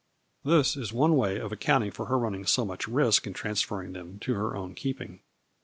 This is one way of accounting for her running so much risk in transferring them to her own keeping.